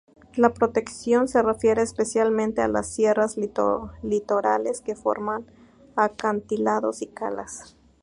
La protección se refiere especialmente a las sierras litorales que forman acantilados y calas.